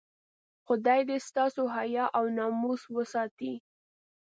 خدای دې ستاسو حیا او ناموس وساتي.